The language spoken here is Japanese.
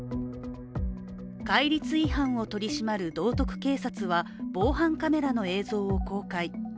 戒律違反を取り締まる道徳警察は防犯カメラの映像を公開。